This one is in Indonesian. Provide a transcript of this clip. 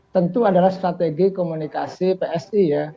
tentu adalah strategi komunikasi psi ya